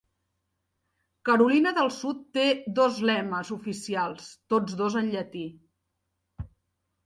Carolina del Sud té dos lemes oficials, tots dos en llatí.